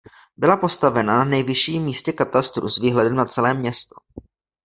Byla postavena na nejvyšším místě katastru s výhledem na celé město.